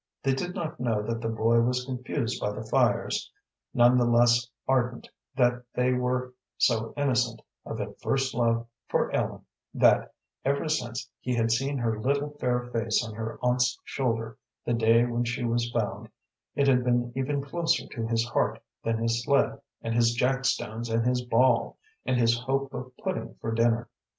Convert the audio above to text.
They did not know that the boy was confused by the fires, none the less ardent that they were so innocent, of a first love for Ellen; that, ever since he had seen her little, fair face on her aunt's shoulder the day when she was found, it had been even closer to his heart than his sled and his jackstones and his ball, and his hope of pudding for dinner.